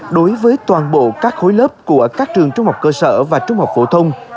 đối với toàn bộ các khối lớp của các trường trung học cơ sở và trung học phổ thông